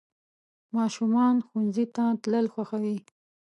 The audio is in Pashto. ماشومان ښوونځي ته تلل خوښوي.